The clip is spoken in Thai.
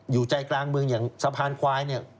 อยู่ใจกลางเมืองที่สะพานควาย